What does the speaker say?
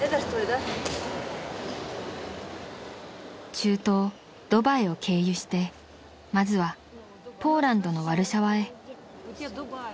［中東ドバイを経由してまずはポーランドのワルシャワへ］